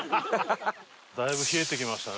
だいぶ冷えてきましたね。